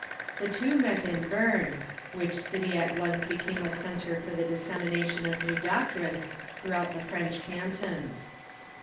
The two met in Berne, which city at once became a centre for the dis 238 THE REFORMATION semination of new doctrines throughout the French cantons.